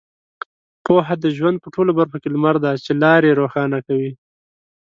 پوهه د ژوند په ټولو برخو کې لمر دی چې لارې روښانه کوي.